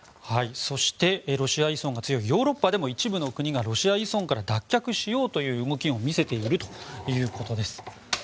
そしてロシア依存が強いヨーロッパでも一部の国がロシア依存から脱却しようという動きを見せているということです。